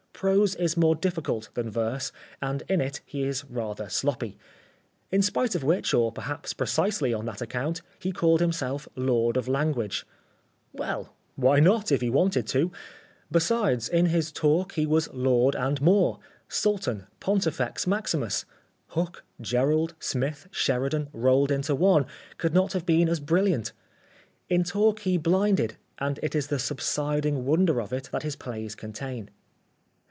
Prose is more difficult than verse and in it he is rather sloppy. In spite of which, or perhaps precisely on that account, he called himself lord of language. Well, why not, if he wanted to? Besides, in his talk he was lord and more sultan, pontifex maximus. Hook, Jerrold, Smith, Sheridan, rolled into one, could not have been as brilliant. In talk he blinded and it is the subsiding wonder of it that his plays contain.